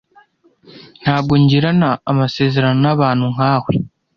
Ntabwo ngirana amasezerano nabantu nkawe.